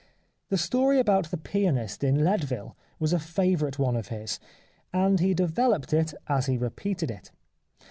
The story about the pianist in Leadville was a favourite one of his, and he developed it as he repeated it.